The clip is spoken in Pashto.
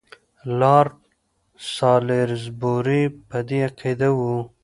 لارډ سالیزبوري په دې عقیده وو.